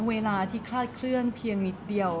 เวลาที่คลาดเคลื่อนเพียงนิดเดียว